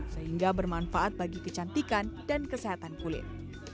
sehingga bermanfaat bagi kecantikan dan kesehatan kulit